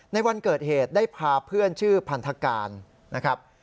ในวันเกิดเหตุได้พาเพื่อนชื่อพันธการนะครับ